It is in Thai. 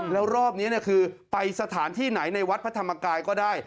แล้วรอบนี้คือไปสถานที่ไหนในวัดพระธรรมกายก็ได้